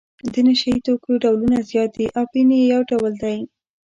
د نشه یي توکو ډولونه زیات دي اپین یې یو ډول دی.